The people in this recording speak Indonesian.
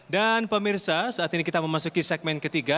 dan pemirsa saat ini kita memasuki segmen ketiga